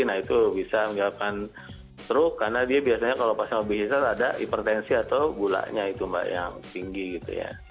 nah itu bisa menyebabkan stroke karena dia biasanya kalau pasien obyester ada hipertensi atau gulanya itu mbak yang tinggi gitu ya